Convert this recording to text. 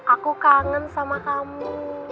aku kangen sama kamu